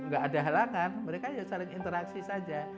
gak ada halangan mereka ya saling interaksi saja